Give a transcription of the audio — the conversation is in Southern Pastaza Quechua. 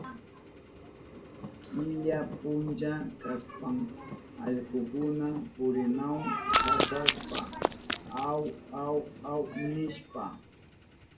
Killa puncha kashpan allkukuna purinahun kasashpa aw, aw, aw nishpa.